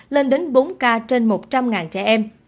lên đến bốn ca trên một trăm linh trẻ em